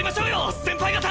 先輩方！